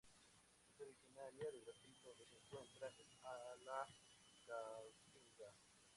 Es originaria de Brasil, donde se encuentra en la Caatinga.